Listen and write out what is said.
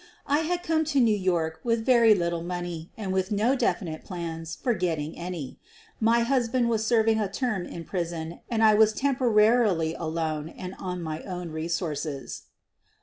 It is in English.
I had come to New York with very little money and with no definite plans for getting any — my husband was serving a term in prison and I was temporarily alone and on my own resources.